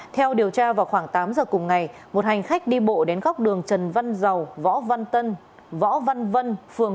theo điều tra vào khoảng tám giờ cùng ngày một hành khách đi bộ đến góc đường trần văn dầu võ văn tân võ văn vân